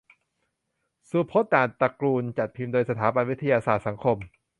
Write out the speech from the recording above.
สุพจน์ ด่านตระกูล จัดพิมพ์โดย สถาบันวิทยาศาสตร์สังคม